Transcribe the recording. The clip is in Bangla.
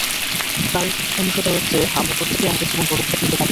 নারীর প্রতি সহিংসতা রুখতে আমরা প্রত্যেকেই আমাদের জীবনে পদক্ষেপ নিতে পারি।